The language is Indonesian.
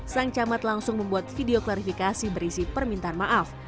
sang camat langsung membuat video klarifikasi berisi permintaan maaf